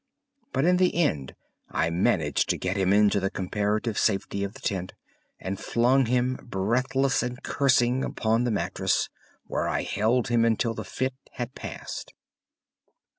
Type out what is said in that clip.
But in the end I managed to get him into the comparative safety of the tent, and flung him breathless and cursing upon the mattress where I held him until the fit had passed.